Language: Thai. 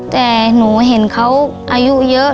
แต่หนูเห็นเขาอายุเยอะ